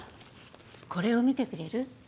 これを見てくれる？